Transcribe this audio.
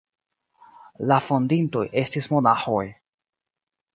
La fondintoj estis monaĥoj.